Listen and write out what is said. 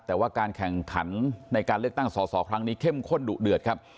แต่ว่าการแข่งขันในการเลือกตั้งสอสอครั้งนี้เข้มข้นดุเดือดครับ